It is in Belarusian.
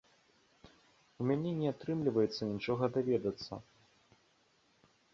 У мяне не атрымліваецца нічога даведацца.